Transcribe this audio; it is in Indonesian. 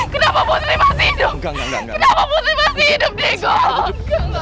kenapa putri masih hidup